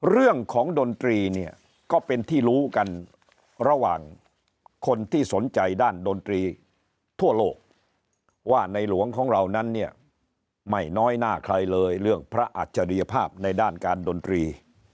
เรื่องของดนตรีเนี่ยก็เป็นที่รู้กันระหว่างคนที่สนใจด้านดนตรีทั่วโลกว่าในหลวงของเรานั้นเนี่ยไม่น้อยหน้าใครเลยเรื่องพระอัจฉริยภาพในด้านการดนตรี